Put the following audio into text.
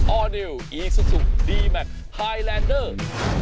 อร์นิวอีซูซูดีแมคไฮแลนเดอร์